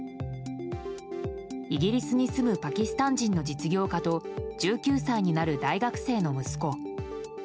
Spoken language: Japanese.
イギリスに住むパキスタン人の実業家と１９歳になる大学生の息子。